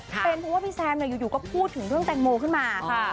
เป็นเพราะว่าพี่แซมอยู่ก็พูดถึงเรื่องแตงโมขึ้นมา